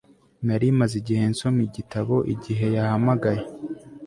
Nari maze igihe nsoma igitabo igihe yahamagaye